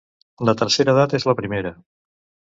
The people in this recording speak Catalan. La tercera edat és la primera.